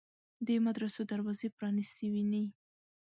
د مدرسو دروازې پرانیستې ویني.